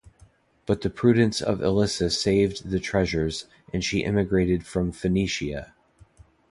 But the prudence of Elissa saved the treasures, and she emigrated from Phoenicia.